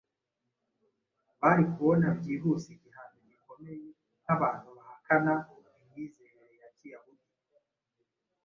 bari kubona byihuse igihano gikomeye nk’abantu bahakana imyizerere ya Kiyahudi.